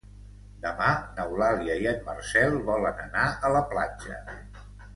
Demà n'Eulàlia i en Marcel volen anar a la platja.